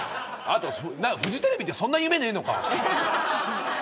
フジテレビってそんな夢ねえのか。